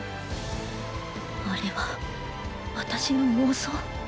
あれは私の妄想？